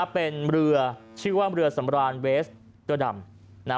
เป็นเรือชื่อว่าเรือสำรานเวสเตอร์ดำ